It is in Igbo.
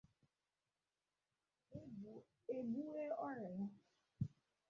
egbue ọrịa ya.